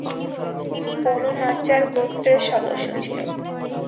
তিনি Banu Najjar গোত্রের সদস্য ছিলেন।